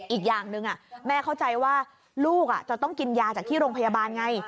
อีกอย่างหนึ่งแม่เข้าใจว่าลูกจะต้องกินยาจากที่โรงพยาบาลไง